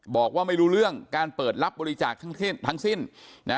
บอกว่าไม่รู้เรื่องการเปิดรับบริจาคทั้งสิ้นนะ